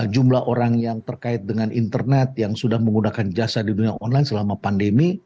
jumlah orang yang terkait dengan internet yang sudah menggunakan jasa di dunia online selama pandemi